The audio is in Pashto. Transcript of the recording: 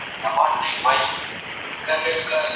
پرون د جنوري پر یوولسمه